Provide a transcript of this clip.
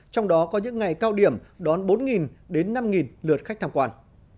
trong đó có những ngày cao điểm đón bốn đến năm lượt khách tham quan